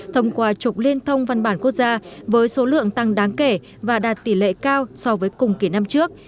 thông qua trục liên thông văn bản quốc gia với số lượng tăng đáng kể và đạt tỷ lệ cao so với cùng kỷ năm trước